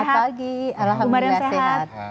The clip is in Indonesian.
selamat pagi alhamdulillah sehat